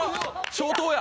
消灯や！